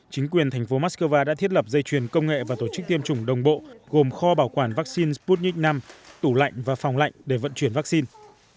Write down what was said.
chính quyền thành phố moscow đã thiết lập dây chuyền công nghệ và tổ chức tiêm chủng đồng bộ gồm kho bảo quản vaccine sputnik v tủ lạnh và phòng lạnh để vận chuyển vaccine